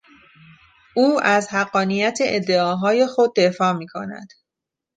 او از حقانیت ادعاهای خود دفاع میکند.